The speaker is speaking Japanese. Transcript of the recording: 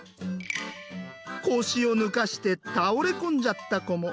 腰を抜かして倒れ込んじゃった子も。